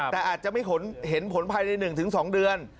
แต่อาจจะไม่เห็นผลภายใน๑๒เดือน